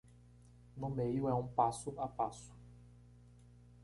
No meio é um passo a passo.